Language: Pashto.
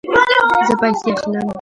زه پیسې اخلم